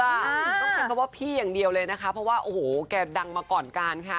ต้องใช้คำว่าพี่อย่างเดียวเลยนะคะเพราะว่าโอ้โหแกดังมาก่อนการค่ะ